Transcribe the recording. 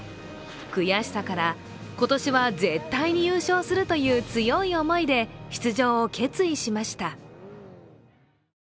悔しさから今年は絶対に優勝するという強い思いで出場を決意しました。